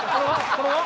これは？